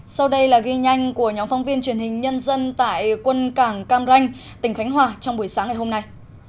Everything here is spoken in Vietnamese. sau đây là ghi nhanh của nhóm phóng viên truyền hình nhân dân tại quân cảng cam ranh tỉnh khánh hòa trong buổi sáng ngày hôm nay